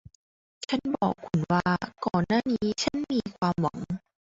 ฉันบอกคุณว่าก่อนหน้านี้ฉันมีความหวัง